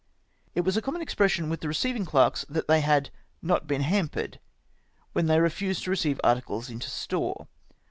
It was a common expression with the receiving clerks that they ' had not been hampered, —' when they refused to receive articles into store.